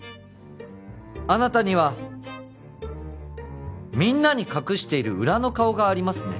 あなたにはみんなに隠している裏の顔がありますね？